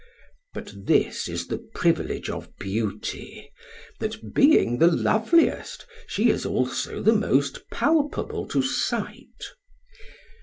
But this is the privilege of beauty, that being the loveliest she is also the most palpable to sight.